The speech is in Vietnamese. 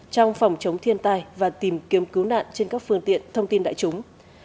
trong phòng chống thiên tai và tìm kiếm cứu nạn trên các phương tiện thông tin đại chúng